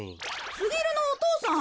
すぎるのお父さん。